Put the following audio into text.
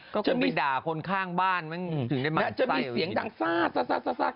ก็คงไปด่าคนข้างบ้านมันถึงได้มาใส่จะมีเสียงดังซ่าซ่าซ่าซ่าซ่าซ่า